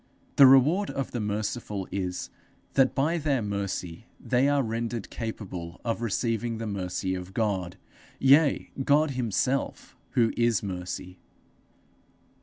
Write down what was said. The reward of the merciful is, that by their mercy they are rendered capable of receiving the mercy of God yea, God himself, who is Mercy.